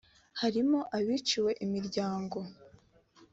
harimo abiciwe imiryango